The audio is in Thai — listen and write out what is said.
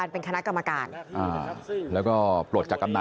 พตรพูดถึงเรื่องนี้ยังไงลองฟังกันหน่อยค่ะ